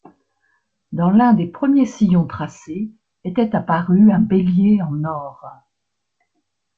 Dans l’un des premiers sillons tracés était apparu un bélier en or.